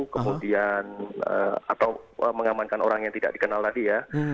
kemudian atau mengamankan orang yang tidak dikenal tadi ya